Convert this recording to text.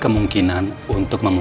tetapi orang kekasih monk untuk memiliki